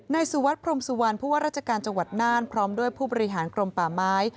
สุวัสดิพรมสุวรรณผู้ว่าราชการจังหวัดน่านพร้อมด้วยผู้บริหารกรมป่าไม้